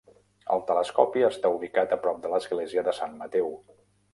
El telescopi està ubicat a prop de l'església de Sant Mateu.